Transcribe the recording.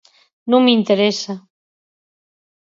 Non me interesa.